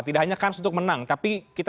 tidak hanya kans untuk menang tapi kita